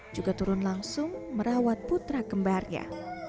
juga turun langsung merawat putra kembarnya